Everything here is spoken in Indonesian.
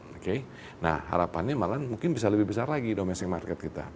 oke nah harapannya malah mungkin bisa lebih besar lagi domestic market kita